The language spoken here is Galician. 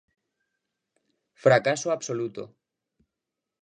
Fracaso absoluto.